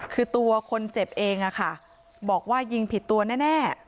คือตัวคนเจ็บเองบอกว่ายิงผิดตัวแน่